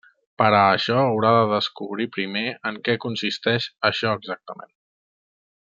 Per a això haurà de descobrir primer en què consisteix això exactament.